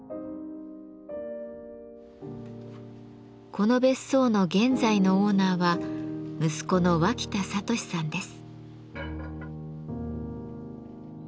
この別荘の現在のオーナーは息子の脇田智さんです。